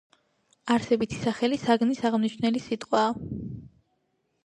არსებითი სახელი საგნის აღმნიშვნელი სიტყვაა.